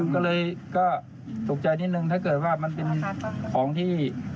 ก็เลยก็ตกใจนิดนึงถ้าเกิดว่ามันเป็นของที่